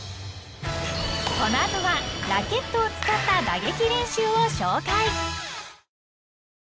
［この後はラケットを使った打撃練習を紹介］